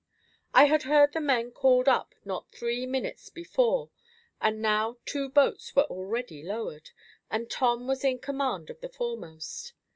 I had heard the men called up not three minutes before, and now two boats were already lowered, and Tom was in command of the foremost.